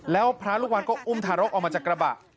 แล้วพระลูกวัดก็อุ้มทารกออกมาจากกระบะ